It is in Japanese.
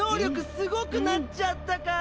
すごくなっちゃったから！